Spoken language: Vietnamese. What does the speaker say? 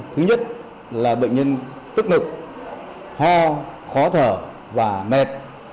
thứ nhất là bệnh nhân tức ngực ho khó thở và mệt